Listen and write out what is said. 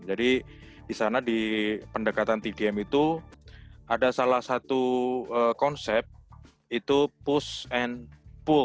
jadi di sana di pendekatan tdm itu ada salah satu konsep itu push and pull